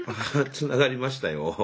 つながりましたよ。